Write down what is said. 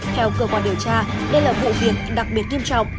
theo cơ quan điều tra đây là vụ việc đặc biệt nghiêm trọng